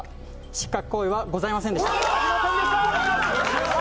失格行為はございませんでした。